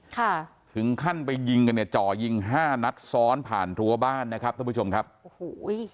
ค่ะถึงขั้นไปยิงกันเนี่ยจ่อยิงห้านัดซ้อนผ่านรั้วบ้านนะครับท่านผู้ชมครับโอ้โห